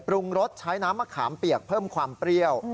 รสใช้น้ำมะขามเปียกเพิ่มความเปรี้ยว